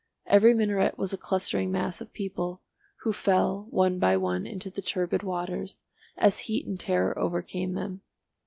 Every minaret was a clustering mass of people, who fell one by one into the turbid waters, as heat and terror overcame them.